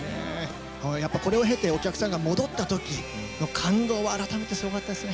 やっぱりこれを経てお客さんが戻った時の感動は改めてすごかったですね。